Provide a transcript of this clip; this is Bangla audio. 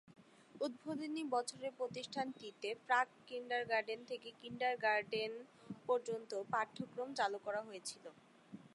উদ্বোধনী বছরে প্রতিষ্ঠানটিতে প্রাক কিন্ডারগার্টেন থেকে কিন্ডারগার্টেন পর্যন্ত পাঠ্যক্রম চালু করা হয়েছিল।